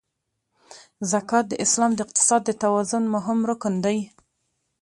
زکات د اسلام د اقتصاد د توازن مهم رکن دی.